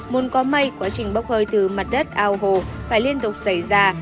muốn có may quá trình bốc hơi từ mặt đất ao hồ phải liên tục xảy ra